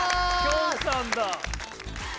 きょんさんだ！